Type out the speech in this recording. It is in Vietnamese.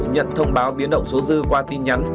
nhận thông báo biến động số dư qua tin nhắn